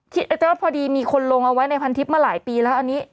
แต่ว่าพอดีมีคนลงเอาไว้ในพันทิพย์มาหลายปีแล้วอันนี้